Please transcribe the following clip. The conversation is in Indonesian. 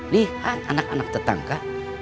lihat anak anak tetangga